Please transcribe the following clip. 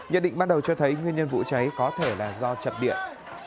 nhận định bắt đầu cho thấy nguyên nhân vụ cháy có thể là do chật điện